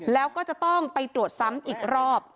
แล้วก็จะต้องไปตรวจซ้ำอีกรอบ